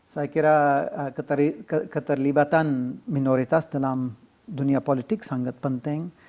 saya kira keterlibatan minoritas dalam dunia politik sangat penting